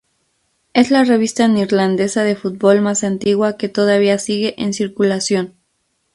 Es la revista neerlandesa de fútbol más antigua que todavía sigue en circulación.